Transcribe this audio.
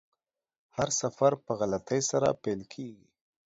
هر سفر په غلطۍ سره پیل کیږي.